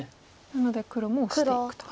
なので黒もオシていくと。